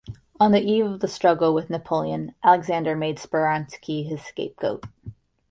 On the eve of the struggle with Napoleon, Alexander made Speransky his scape-goat.